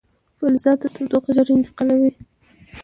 فلزات تودوخه ژر انتقالوي.